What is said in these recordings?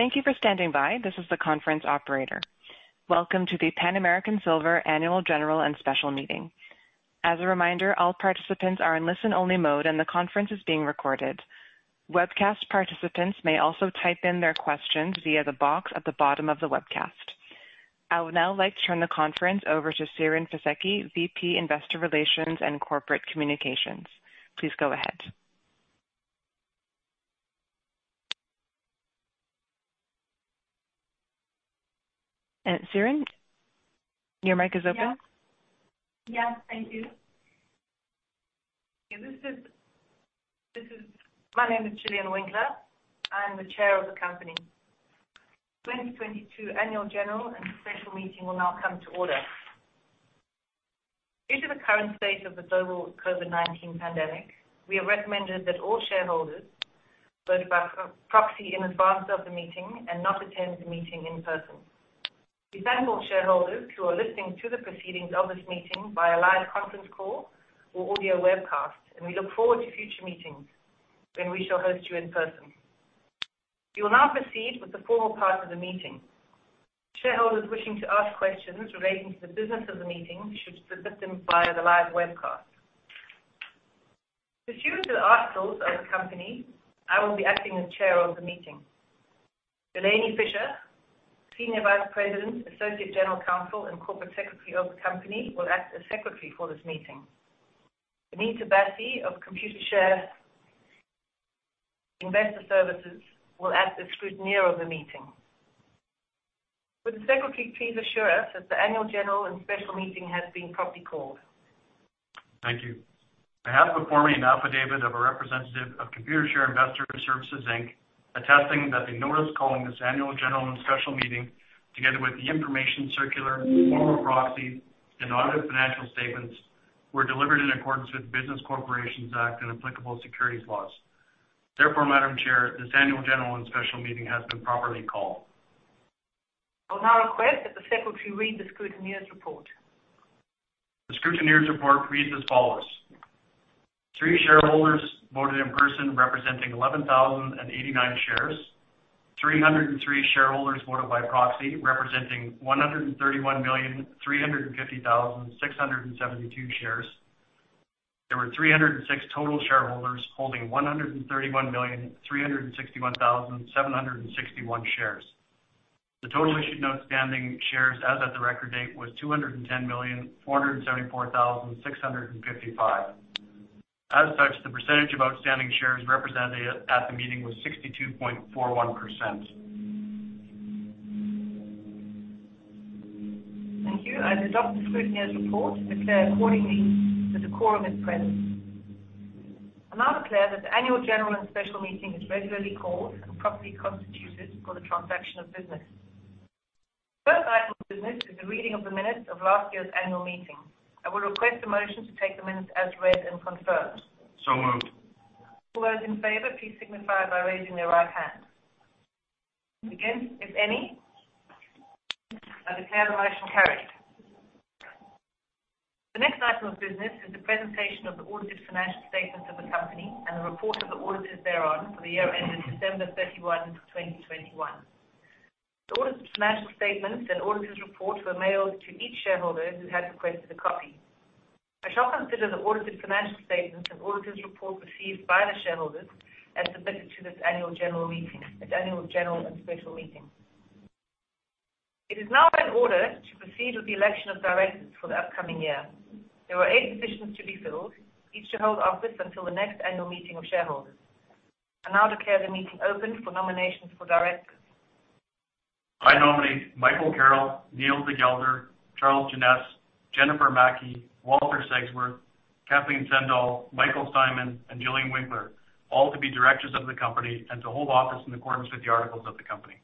Thank you for standing by. This is the conference operator. Welcome to the Pan American Silver annual general and special meeting. As a reminder, all participants are in listen-only mode, and the conference is being recorded. Webcast participants may also type in their questions via the box at the bottom of the webcast. I would now like to turn the conference over to Siren Fisekci, VP, Investor Relations and Corporate Communications. Please go ahead. Siren, your mic is open. Yes. Thank you. Yeah. My name is Gillian Winckler. I'm the Chair of the company. 2022 Annual General and Special Meeting will now come to order. Due to the current state of the global COVID-19 pandemic, we have recommended that all shareholders vote by proxy in advance of the meeting and not attend the meeting in person. We thank all shareholders who are listening to the proceedings of this meeting via live conference call or audio webcast, and we look forward to future meetings when we shall host you in person. We will now proceed with the formal part of the meeting. Shareholders wishing to ask questions relating to the business of the meeting should submit them via the live webcast. Pursuant to the articles of the company, I will be acting as Chair of the meeting. Delaney Fisher, Senior Vice President, Associate General Counsel, and Corporate Secretary of the company, will act as secretary for this meeting. [Bonita Bassi of Computershare Investor Services] will act as scrutineer of the meeting. Would the secretary please assure us that the annual general and special meeting has been properly called? Thank you. I have before me an affidavit of a representative of Computershare Investor Services Inc., attesting that the notice calling this annual general and special meeting, together with the information circular, form of proxy, and audited financial statements, were delivered in accordance with Business Corporations Act and applicable securities laws. Therefore, Madam Chair, this annual general and special meeting has been properly called. I will now request that the secretary read the scrutineer's report. The scrutineer's report reads as follows: three shareholders voted in person, representing 11,089 shares. 303 shareholders voted by proxy, representing 131,350,672 shares. There were 306 total shareholders holding 131,361,761 shares. The total issued outstanding shares as of the record date was 210,474,655. As such, the percentage of outstanding shares represented at the meeting was 62.41%. Thank you. I adopt the scrutineer's report and declare accordingly that the quorum is present. I now declare that the annual general and special meeting is regularly called and properly constituted for the transaction of business. First item of business is the reading of the minutes of last year's annual meeting. I would request a motion to take the minutes as read and confirmed. Moved. All those in favor, please signify by raising their right hand. Against, if any? I declare the motion carried. The next item of business is the presentation of the audited financial statements of the company and the report of the auditors thereon for the year ended December 31, 2021. The audited financial statements and auditors' report were mailed to each shareholder who had requested a copy. I shall consider the audited financial statements and auditors' report received by the shareholders as submitted to this annual general meeting, this annual general and special meeting. It is now in order to proceed with the election of directors for the upcoming year. There are eight positions to be filled, each to hold office until the next annual meeting of shareholders. I now declare the meeting open for nominations for directors. I nominate Michael Carroll, Neil de Gelder, Charles A. Jeannes, Jennifer Maki, Walter Segsworth, Kathleen Sendall, Michael Steinmann, and Gillian Winckler, all to be directors of the company and to hold office in accordance with the articles of the company.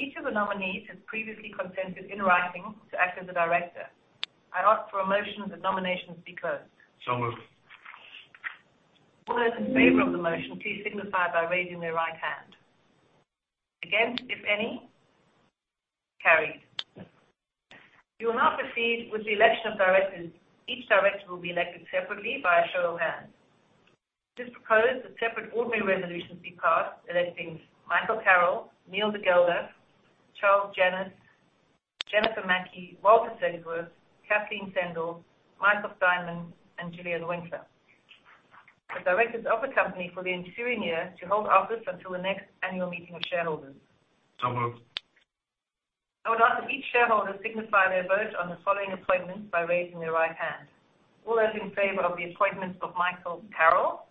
Each of the nominees has previously consented in writing to act as a director. I ask for a motion that nominations be closed. Moved. All those in favor of the motion, please signify by raising their right hand. Against, if any? Carried. We will now proceed with the election of directors. Each director will be elected separately via show of hands. It is proposed that separate ordinary resolutions be passed electing Michael Carroll, Neil de Gelder, Charles A. Jeannes, Jennifer Maki, Walter Segsworth, Kathleen Sendall, Michael Steinmann, and Gillian Winckler as directors of the company for the ensuing year to hold office until the next annual meeting of shareholders. Moved. I would ask that each shareholder signify their vote on the following appointments by raising their right hand. All those in favor of the appointment of Michael Carroll?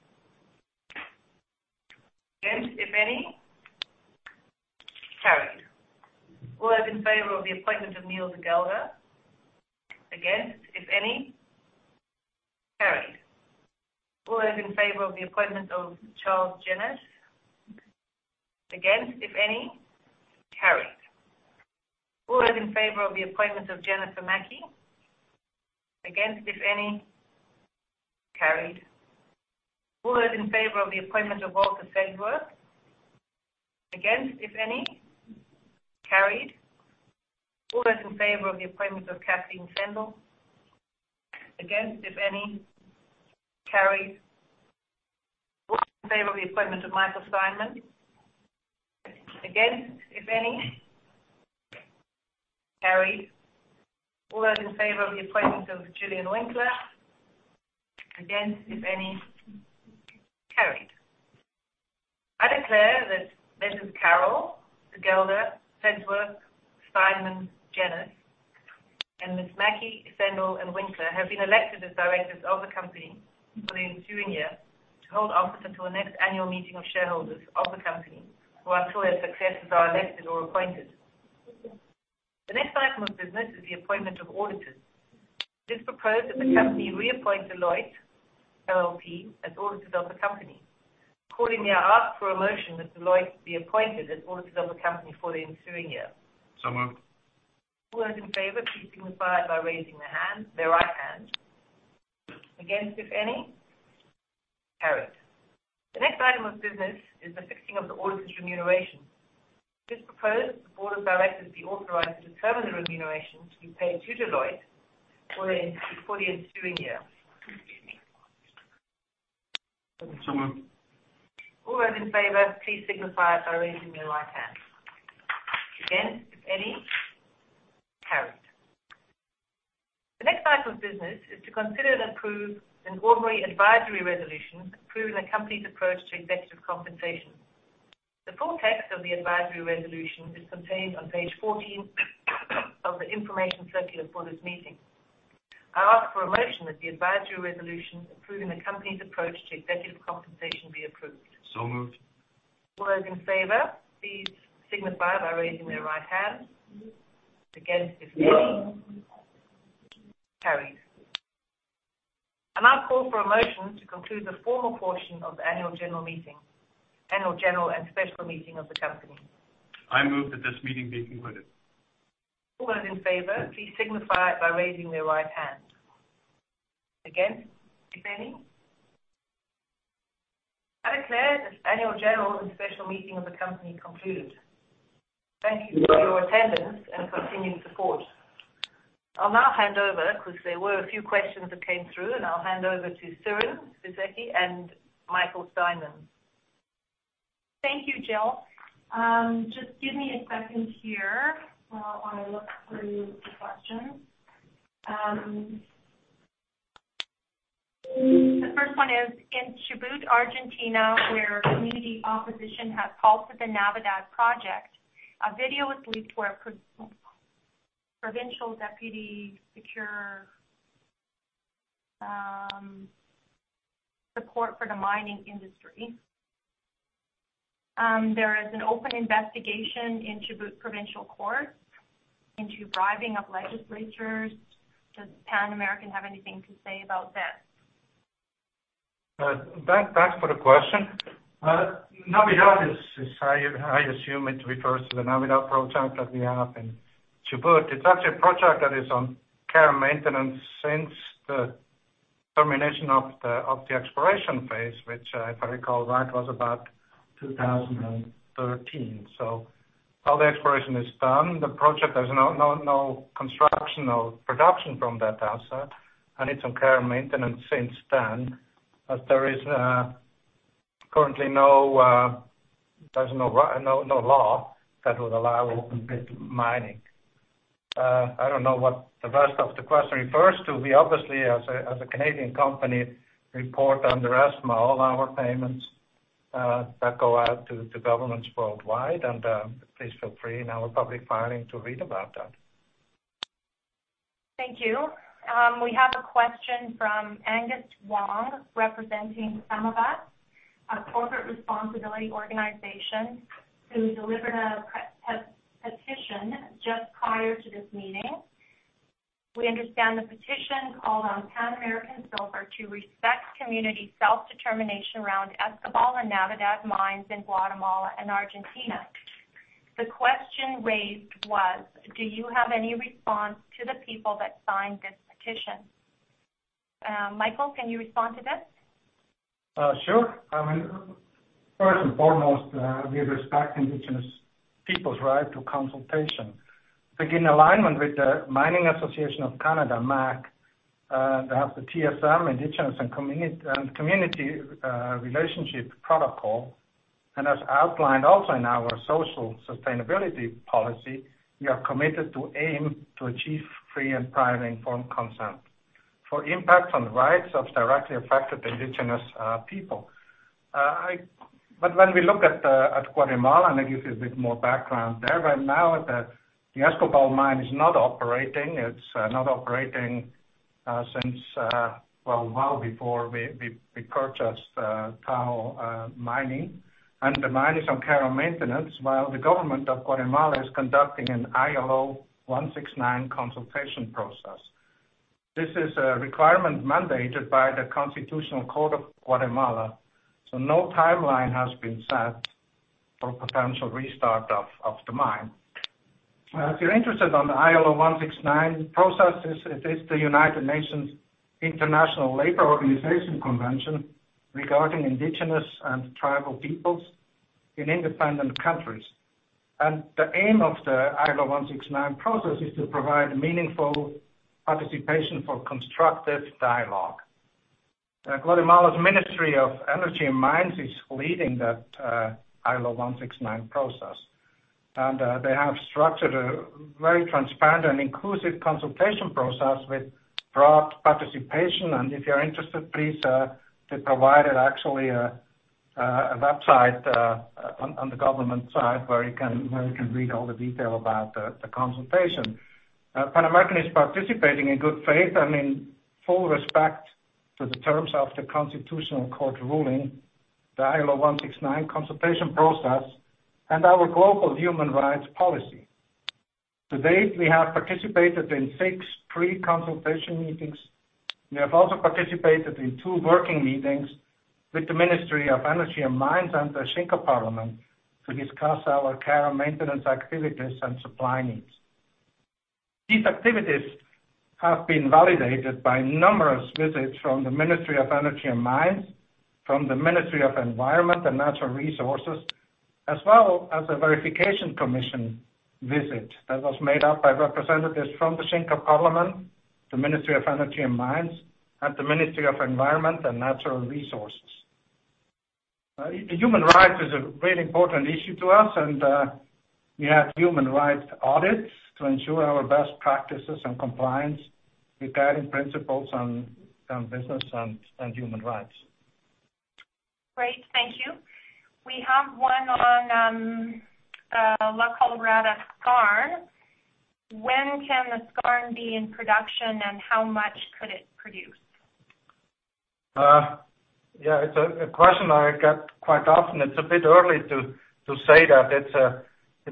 Against, if any? Carried. All those in favor of the appointment of Neil de Gelder? Against, if any? Carried. All those in favor of the appointment of Charles A. Jeannes? Against, if any? Carried. All those in favor of the appointment of Jennifer Maki? Against, if any? Carried. All those in favor of the appointment of Walter Segsworth? Against, if any? Carried. All those in favor of the appointment of Kathleen Sendall? Against, if any? Carried. All in favor of the appointment of Michael Steinmann? Against, if any? Carried. All those in favor of the appointment of Gillian Winckler? Against, if any? Carried. I declare that Michael Carroll, de Gelder, Segsworth, Steinmann, Jeannes, and Ms. Maki, Sendall and Winckler have been elected as directors of the company for the ensuing year to hold office until the next annual meeting of shareholders of the company who until their successors are elected or appointed. The next item of business is the appointment of auditors. It is proposed that the company reappoint Deloitte LLP as auditors of the company. Accordingly, I ask for a motion that Deloitte be appointed as auditors of the company for the ensuing year. So moved. All those in favor, please signify by raising their hand, their right hand. Against, if any. Carried. The next item of business is the fixing of the auditor's remuneration. It is proposed the board of directors be authorized to determine the remuneration to be paid to Deloitte for the ensuing year. Excuse me. So moved. All those in favor, please signify by raising your right hand. Against, if any. Carried. The next item of business is to consider and approve an ordinary advisory resolution approving the company's approach to executive compensation. The full text of the advisory resolution is contained on page fourteen of the information circular for this meeting. I ask for a motion that the advisory resolution approving the company's approach to executive compensation be approved. So moved. All those in favor, please signify by raising their right hand. Against, if any. Carried. I'll call for a motion to conclude the formal portion of the annual general meeting, annual general and special meeting of the company. I move that this meeting be concluded. All those in favor, please signify it by raising their right hand. Against, if any. I declare this annual, general and special meeting of the company concluded. Thank you for your attendance and continued support. I'll now hand over because there were a few questions that came through, and I'll hand over to Siren Fisekci and Michael Steinmann. Thank you, Gillian. Just give me a second here while I look through the questions. The first one is, in Chubut, Argentina, where community opposition has halted the Navidad project, a video was leaked where provincial deputy secures support for the mining industry. There is an open investigation in Chubut Provincial Court into bribing of legislators. Does Pan American Silver have anything to say about this? Thanks for the question. Navidad is I assume it refers to the Navidad project that we have in Chubut. It's actually a project that is on care and maintenance since the termination of the exploration phase, which if I recall, that was about 2013. So all the exploration is done. The project, there's no construction or production from that asset, and it's on care and maintenance since then, as there is currently no law that would allow open-pit mining. I don't know what the rest of the question refers to. We obviously, as a Canadian company, report under ESTMA all our payments that go out to governments worldwide. Please feel free in our public filing to read about that. Thank you. We have a question from Angus Wong, representing SumOfUs, a corporate responsibility organization who delivered a petition just prior to this meeting. We understand the petition called on Pan American Silver to respect community self-determination around Escobal and Navidad mines in Guatemala and Argentina. The question raised was. Do you have any response to the people that signed this petition? Michael, can you respond to this? Sure. I mean, first and foremost, we respect Indigenous people's right to consultation. In alignment with the Mining Association of Canada, MAC, they have the TSM Indigenous and community relationship protocol. As outlined also in our social sustainability policy, we are committed to aim to achieve free and prior informed consent for impacts on the rights of directly affected Indigenous people. When we look at Guatemala, I'll give you a bit more background there. Right now, the Escobal mine is not operating. It's not operating since well before we purchased Tahoe Resources. The mine is on care and maintenance while the government of Guatemala is conducting an ILO 169 consultation process. This is a requirement mandated by the Constitutional Court of Guatemala, so no timeline has been set for potential restart of the mine. If you're interested on the ILO 169 process, it is the United Nations-International Labor Organization Convention regarding indigenous and tribal peoples in independent countries. The aim of the ILO 169 process is to provide meaningful participation for constructive dialogue. Guatemala's Ministry of Energy and Mines is leading that ILO 169 process, and they have structured a very transparent and inclusive consultation process with broad participation. If you're interested, please, they provided actually a website on the government side where you can read all the detail about the consultation. Pan American is participating in good faith and in full respect to the terms of the Constitutional Court ruling, the ILO 169 consultation process, and our global human rights policy. To date, we have participated in six pre-consultation meetings. We have also participated in two working meetings with the Ministry of Energy and Mines and the Xinka Parliament to discuss our care and maintenance activities and supply needs. These activities have been validated by numerous visits from the Ministry of Energy and Mines, from the Ministry of Environment and Natural Resources, as well as a verification commission visit that was made up by representatives from the Xinka Parliament, the Ministry of Energy and Mines, and the Ministry of Environment and Natural Resources. Human rights is a really important issue to us, and we have human rights audits to ensure our best practices and compliance regarding principles on business and human rights. Great. Thank you. We have one on La Colorada Skarn. When can the Skarn be in production and how much could it produce? Yeah, it's a question I get quite often. It's a bit early to say that. It's a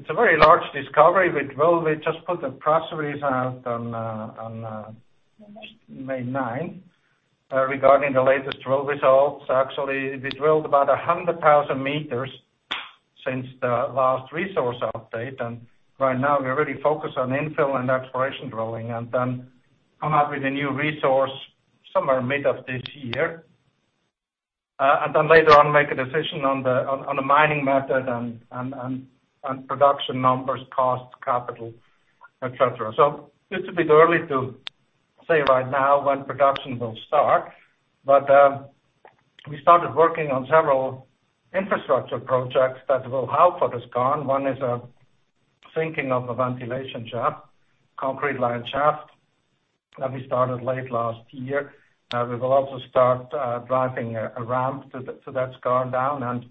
very large discovery. We just put the press release out on May 9th regarding the latest drill results. Actually, we drilled about 100,000 meters since the last resource update, and right now we're really focused on infill and exploration drilling and then come up with a new resource somewhere mid of this year. Later on make a decision on the mining method and production numbers, cost, capital, et cetera. It's a bit early to say right now when production will start. We started working on several infrastructure projects that will help for the skarn. One is a sinking of a ventilation shaft, concrete-lined shaft that we started late last year. We will also start driving a ramp to that skarn down.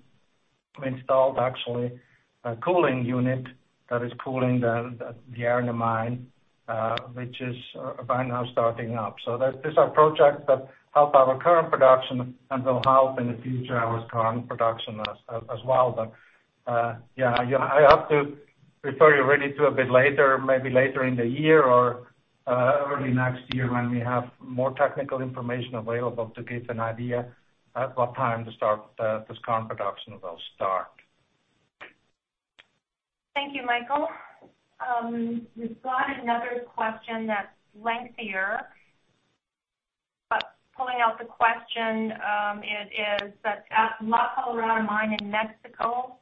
We installed actually a cooling unit that is cooling the air in the mine, which is by now starting up. That's these are projects that help our current production and will help in the future our skarn production as well. Yeah, I have to refer you really to a bit later, maybe later in the year or early next year when we have more technical information available to give an idea at what time the skarn production will start. Thank you, Michael. We've got another question that's lengthier, but pulling out the question, it is that at La Colorada mine in Mexico,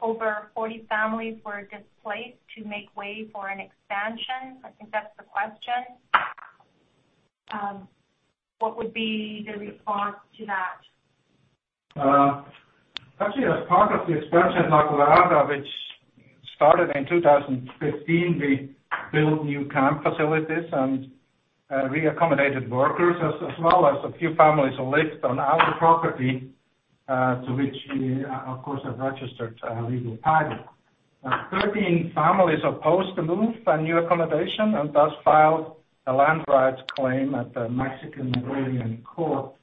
over 40 families were displaced to make way for an expansion. I think that's the question. What would be the response to that? Actually, as part of the expansion at La Colorada, which started in 2015, we built new camp facilities and reaccommodated workers, as well as a few families who lived on our property, to which we of course have registered legal title. 13 families opposed the move and new accommodation and thus filed a land rights claim at the Mexican agrarian court.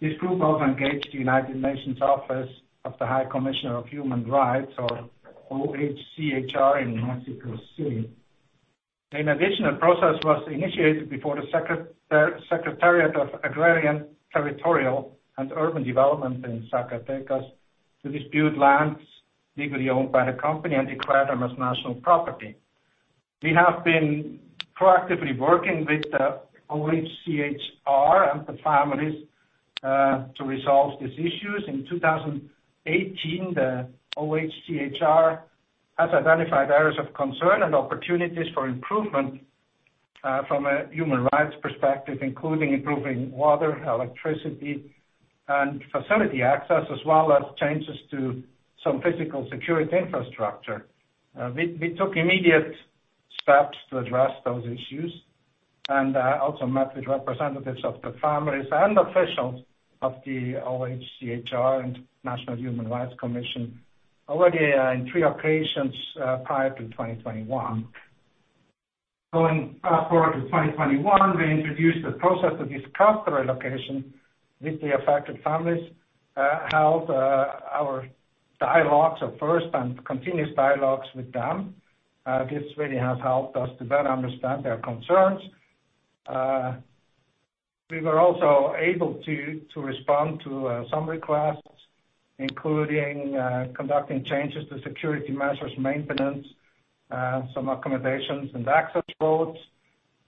This group also engaged the United Nations Office of the High Commissioner of Human Rights, or OHCHR, in Mexico City. An additional process was initiated before the Secretariat of Agrarian, Territorial, and Urban Development in Zacatecas to dispute lands legally owned by the company and declare them as national property. We have been proactively working with the OHCHR and the families to resolve these issues. In 2018, the OHCHR has identified areas of concern and opportunities for improvement from a human rights perspective, including improving water, electricity, and facility access, as well as changes to some physical security infrastructure. We took immediate steps to address those issues and also met with representatives of the families and officials of the OHCHR and National Human Rights Commission already in three occasions prior to 2021. Going forward to 2021, we introduced a process to discuss relocation with the affected families. Held our first and continuous dialogues with them. This really has helped us to better understand their concerns. We were also able to respond to some requests, including conducting changes to security measures, maintenance, some accommodations and access roads,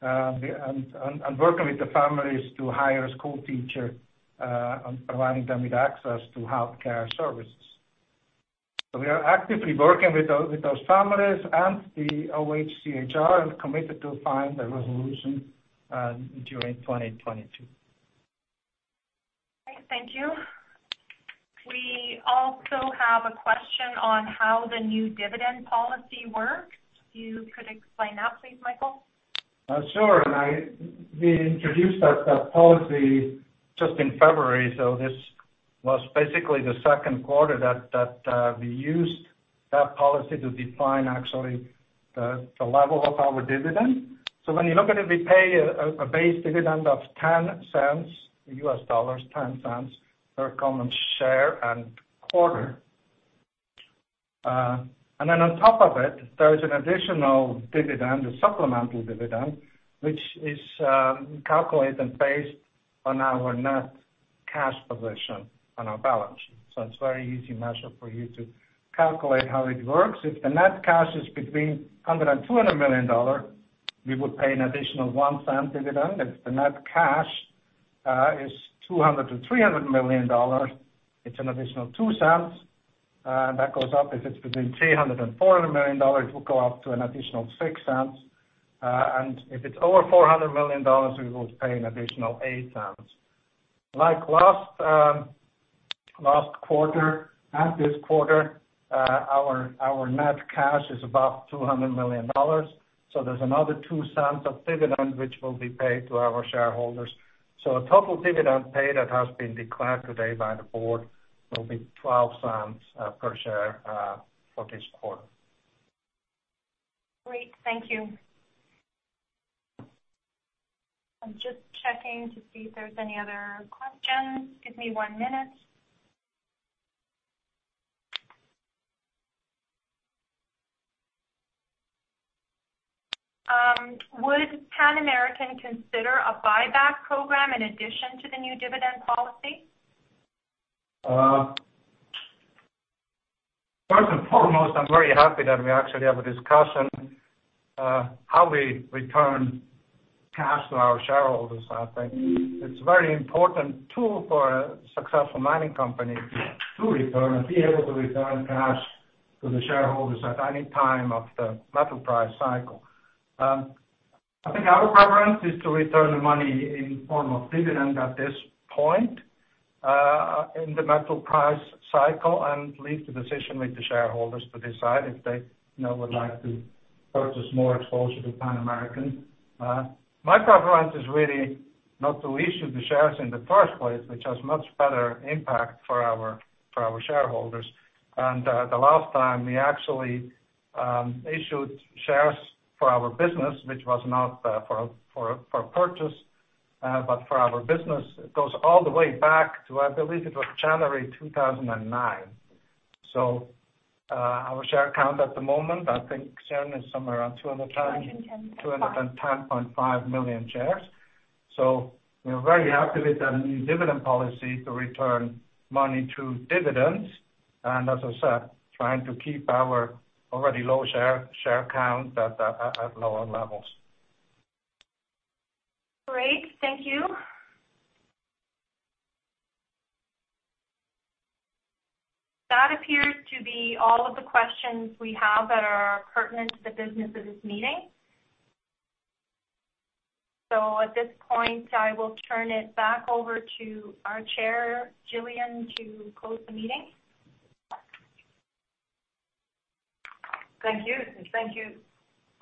and working with the families to hire a school teacher on providing them with access to healthcare services. We are actively working with those families and the OHCHR, and committed to find a resolution during 2022. Okay, thank you. We also have a question on how the new dividend policy works. You could explain that, please, Michael? We introduced that policy just in February, so this was basically the second quarter that we used that policy to define actually the level of our dividend. When you look at it, we pay a base dividend of $0.10 per common share and quarter. Then on top of it, there is an additional dividend, a supplemental dividend, which is calculated and based on our net cash position on our balance. It's very easy measure for you to calculate how it works. If the net cash is between $100 million and $200 million, we would pay an additional $0.01 dividend. If the net cash is $200 million-$300 million, it's an additional $0.02. That goes up. If it's between $300 million and $400 million, it will go up to an additional $0.06. If it's over $400 million, we would pay an additional $0.08. Like last quarter and this quarter, our net cash is about $200 million. There's another $0.02 of dividend which will be paid to our shareholders. The total dividend paid that has been declared today by the board will be $0.12 per share for this quarter. Great. Thank you. I'm just checking to see if there's any other questions. Give me one minute. Would Pan American consider a buyback program in addition to the new dividend policy? First and foremost, I'm very happy that we actually have a discussion, how we return cash to our shareholders. I think it's a very important tool for a successful mining company to return and be able to return cash to the shareholders at any time of the metal price cycle. I think our preference is to return the money in form of dividend at this point in the metal price cycle and leave the decision with the shareholders to decide if they, you know, would like to purchase more exposure to Pan American. My preference is really not to issue the shares in the first place, which has much better impact for our shareholders. The last time we actually issued shares for our business, which was not for purchase, but for our business, it goes all the way back to, I believe it was January 2009. Our share count at the moment, I think, Siren, is somewhere around 210.5 million shares. We are very happy with our new dividend policy to return money to dividends. As I said, trying to keep our already low share count at lower levels. Great. Thank you. That appears to be all of the questions we have that are pertinent to the business of this meeting. At this point, I will turn it back over to our Chair, Gillian, to close the meeting. Thank you. Thank you,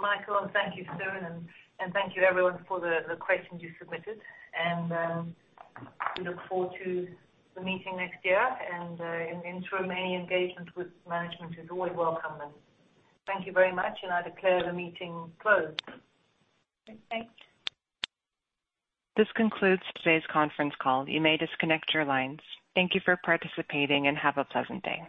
Michael, and thank you, Siren, and thank you everyone for the questions you submitted. We look forward to the meeting next year and in truly many engagements with management is always welcome. Thank you very much, and I declare the meeting closed. Okay, thanks. This concludes today's conference call. You may disconnect your lines. Thank you for participating and have a pleasant day.